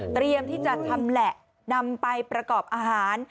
เตรียมที่จะทำแหละนำไปประกอบอาหาร